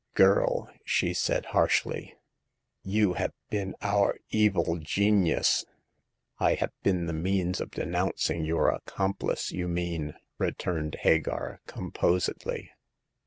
Girl !" she said, harshly, " you have been our evil genius !"" I have been the means of denouncing your accomplice, [you mean,'' returned Hagar, com posedly.